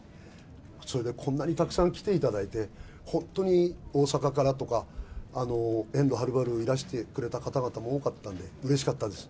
それでこんなにたくさん来ていただいて、本当に大阪からとか、遠路はるばるいらしてくれた方々も多かったんで、うれしかったです。